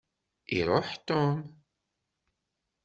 Iruḥ Tom.